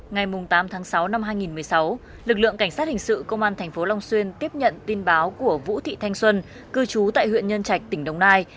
ngày tám tháng sáu năm hai nghìn một mươi sáu lực lượng cảnh sát hình sự công an tp long xuyên tiếp nhận tin báo của vũ thị thanh xuân cư trú tại huyện nhân trạch tỉnh đồng nai